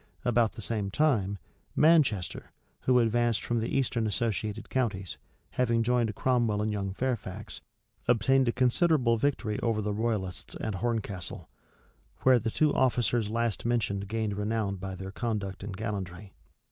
About the same time, Manchester, who advanced from the eastern associated counties, having joined Cromwell and young Fairfax, obtained a considerable victory over the royalists at Horncastle; where the two officers last mentioned gained renown by their conduct and gallantry.